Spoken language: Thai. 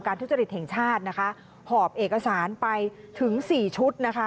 การทุจริตแห่งชาติหอบเอกสารไปถึง๔ชุด